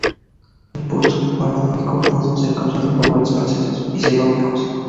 El pulso paradójico puede ser causado por varios procesos fisiológicos.